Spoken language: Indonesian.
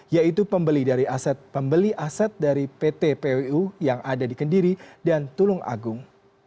yaitu pembeli aset dari pt pwu yang ada di kendiri dan tulung agung